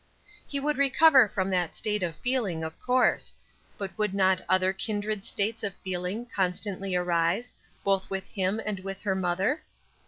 He would recover from that state of feeling, of course; but would not other kindred states of feeling constantly arise, both with him and with her mother?